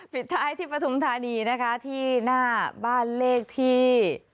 ปิดท้ายที่ปฐุมธานีนะคะที่หน้าบ้านเลขที่